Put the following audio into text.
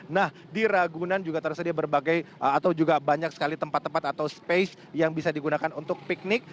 nah di ragunan juga tersedia berbagai atau juga banyak sekali tempat tempat atau space yang bisa digunakan untuk piknik